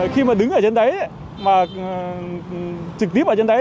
khi mà đứng ở trên đấy mà trực tiếp ở trên đấy